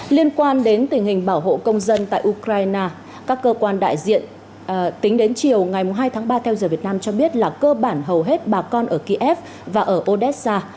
liên quan đến tình hình bảo hộ công dân tại ukraine các cơ quan đại diện tính đến chiều ngày hai tháng ba theo giờ việt nam cho biết là cơ bản hầu hết bà con ở kiev và ở odessa